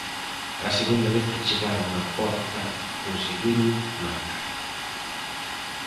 A segunda vez que chegaron a porta conseguiron marcar.